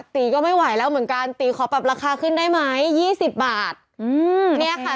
ตีก็ไม่ไหวแล้วเหมือนกันตีขอปรับราคาขึ้นได้ไหมยี่สิบบาทอืมเนี่ยค่ะ